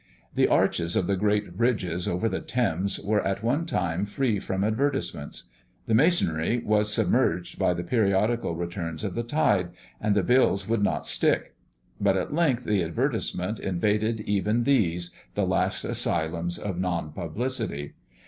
The arches of the great bridges over the Thames were at one time free from advertisements. The masonry was submerged by the periodical returns of the tide, and the bills would not stick. But at length the advertisement invaded even these, the last asylums of non publicity.